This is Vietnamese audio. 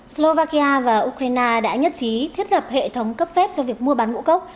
slovakia và ukraine đã nhất trí thiết lập hệ thống cấp phép cho việc mua bán ngũ cốc